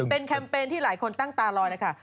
เป็นแคมเปญที่หลายคนตั้งตาลอยเลยค่ะ